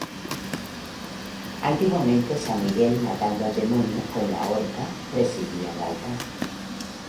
Antiguamente, San Miguel matando al demonio con la Horca, presidía el altar.